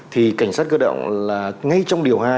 thì cảnh sát cơ động là ngay trong điều hai